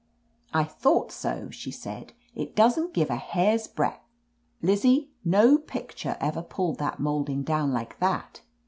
"I thought so," she said. "It doesn't give a hair's breadth I Lizzie, no picture ever pulled that molding down like that."